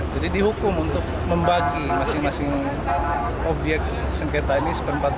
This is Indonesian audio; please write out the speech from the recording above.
jadi dihukum untuk membagi masing masing obyek sengketa ini seperempat bagian